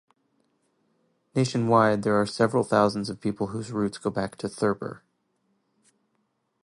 Nationwide, there are several thousands of people whose roots go back to Thurber.